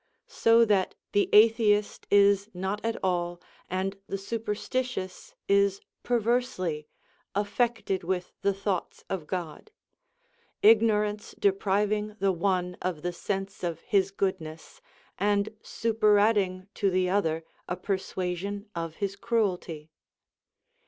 So that the atheist is not at all, and the superstitious is perversely, affected with the thoughts of God ; ignorance depriving the one of the sense of his goodness, and superadding to the other a persuasion of his cruelty.